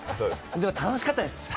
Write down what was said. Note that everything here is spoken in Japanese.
でも楽しかったです。